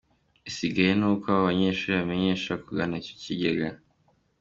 Igisigaye ni uko abo banyeshuri bamenya kugana icyo kigega.